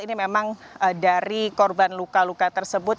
ini memang dari korban luka luka tersebut